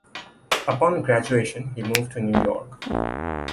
Upon graduation he moved to New York.